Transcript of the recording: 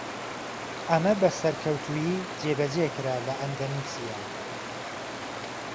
ئەمە بە سەرکەوتوویی جێبەجێکرا لە ئەندەنوسیا.